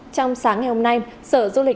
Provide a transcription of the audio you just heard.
trong sáng ngày hôm nay sở du lịch